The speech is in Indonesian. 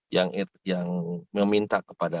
yang meminta kepada